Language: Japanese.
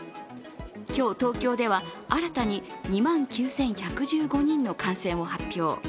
今日、東京では新たに２万９１１５人の感染を発表。